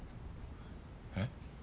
えっ？